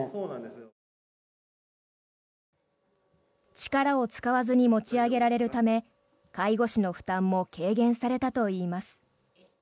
力を使わずに持ち上げられるため介護士の負担も軽減されたといいます。